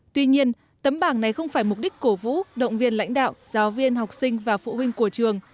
tuy nhiên tấm bảng này không phải mục đích cổ vũ động viên lãnh đạo giáo viên học sinh và phụ huynh của trường